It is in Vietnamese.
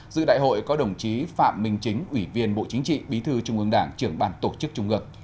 dự đại hội có đồng chí phạm minh chính ủy viên bộ chính trị bí thư trung ương đảng trưởng bàn tổ chức trung ương